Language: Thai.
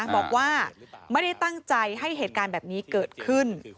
บอกว่าไม่ได้ตั้งใจให้เหตุการณ์แบบนี้เกิดขึ้น